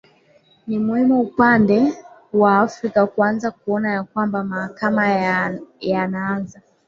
ni mhimu upande wa afrika kuanza kuona ya kwamba mahakama yanaanza